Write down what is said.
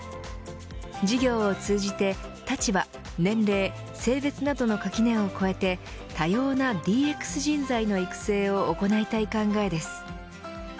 事業を通じて立場、年齢、性別などの垣根を越えて多様なＤＸ人材の育成を行いたい考えです。